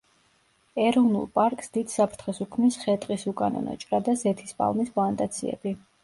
ეროვნულ პარკს დიდ საფრთხეს უქმნის ხე–ტყის უკანონო ჭრა და ზეთის პალმის პლანტაციები.